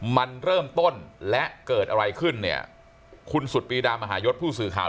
มันเริ่มต้นและเกิดอะไรขึ้นเนี่ยคุณสุดปรีดามหายศผู้สื่อข่าว